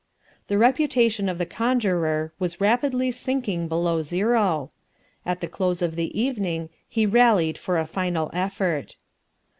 The reputation of the conjurer was rapidly sinking below zero. At the close of the evening he rallied for a final effort.